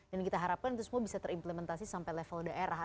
dan kita harapkan itu semua bisa terimplementasi sampai level daerah